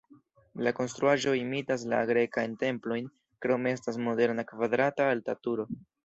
La konstruaĵo imitas la grekajn templojn, krome estas moderna kvadrata alta turo.